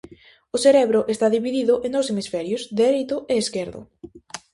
O cerebro está dividido en dous hemisferios, dereito e esquerdo.